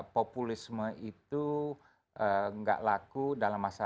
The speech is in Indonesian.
populisme itu gak laku dalam masa depan